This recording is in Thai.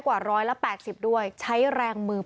กว่า๑๘๐ด้วยใช้แรงมือ